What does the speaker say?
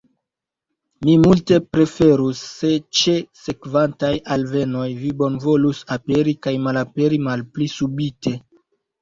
Mi multe preferus, se ĉe sekvantaj alvenoj vi bonvolus aperi kaj malaperi malpli subite.